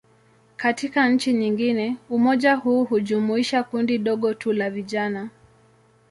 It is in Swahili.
Katika nchi nyingine, umoja huu hujumuisha kundi dogo tu la vijana.